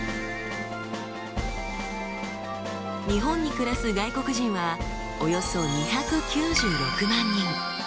日本に暮らす外国人はおよそ２９６万人。